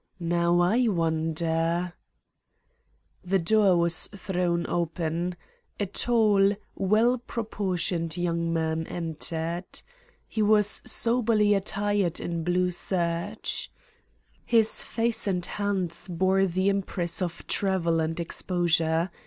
Now, I wonder " The door was thrown open. A tall, well proportioned young man entered. He was soberly attired in blue serge. His face and hands bore the impress of travel and exposure.